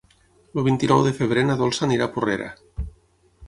El vint-i-nou de febrer na Dolça anirà a Porrera.